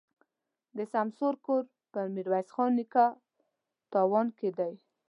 د سمسور کور په ميروایس نیکه تاون کي دی.